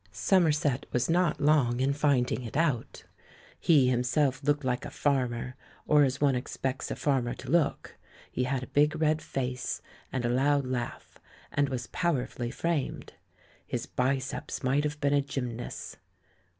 Somerset was not long in finding it out. He himself looked like a farmer — or as one expects a farmer to look. He had a big red face, and a loud laugh, and was powerfully framed. His biceps might have been a gymnast's.